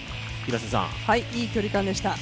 いい距離感でした。